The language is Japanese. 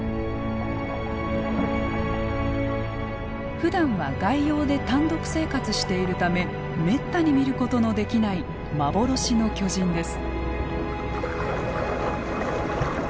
ふだんは外洋で単独生活しているためめったに見ることのできない幻の巨人です。